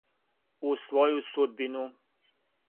У своју судбину.